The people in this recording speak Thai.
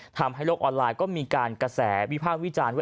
ทำให้โลกออนไลน์ก็มีการกระแสวิพากษ์วิจารณ์ว่า